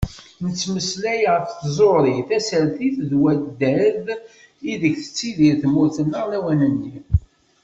Nettmeslay ɣef tẓuri, tasertit d waddad ideg tettidir tmurt-nneɣ lawan-nni.